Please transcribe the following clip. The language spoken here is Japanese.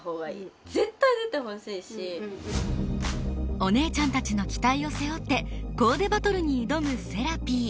お姉ちゃんたちの期待を背負ってコーデバトルに挑むせらぴー。